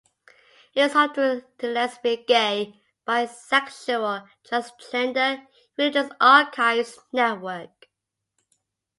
It is home to the Lesbian Gay Bisexual and Transgender Religious Archives Network.